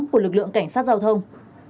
của lực lượng cảnh sát giao thông